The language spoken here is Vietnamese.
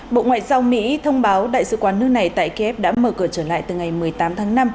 bộ ngoại giao mỹ thông báo đại sứ quán nước này tại kiev đã mở cửa trở lại từ ngày một mươi tám tháng năm